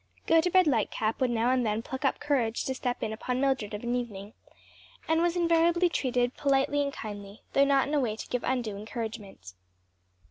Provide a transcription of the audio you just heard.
Gotobed Lightcap would now and then pluck up courage to step in upon Mildred of an evening, and was invariably treated politely and kindly, though not in a way to give undue encouragement.